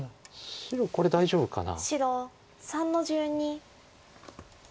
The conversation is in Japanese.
白これ大丈夫かな。